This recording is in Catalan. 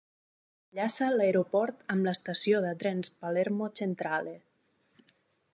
Enllaça l"aeroport amb l"estació de trens Palermo Centrale.